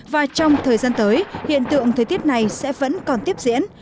và trong thời gian tới hiện tượng thời tiết này sẽ vẫn còn tiếp diễn